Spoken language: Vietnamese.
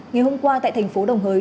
ngày hôm qua tại thành phố đồng hới